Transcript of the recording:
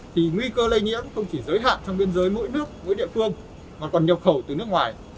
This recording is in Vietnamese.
thì nguy cơ lây nhiễm không chỉ giới hạn trong biên giới mỗi nước mỗi địa phương mà còn nhập khẩu từ nước ngoài